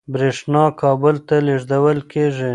برېښنا کابل ته لېږدول کېږي.